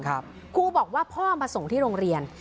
ครูบอกว่าพ่อมาส่งที่โรงเรียน